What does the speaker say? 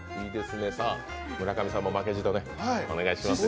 村上さんも負けじとお願いします。